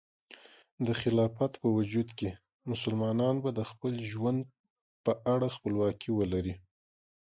د خلافت په وجود کې، مسلمانان به د خپل ژوند په اړه خپلواکي ولري.